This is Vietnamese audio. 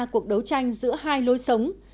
cuộc đấu tranh giữa hai lối sống